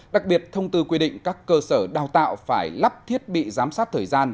đặc biệt thông tư quy định các cơ sở đào tạo phải lắp thiết bị giám sát thời gian